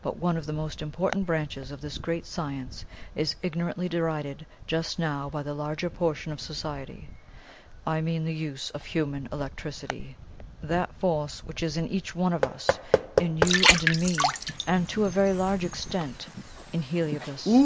But one of the most important branches of this great science is ignorantly derided just now by the larger portion of society I mean the use of human electricity; that force which is in each one of us in you and in me and, to a very large extent, in Heliobas.